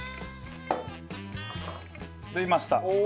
出ました。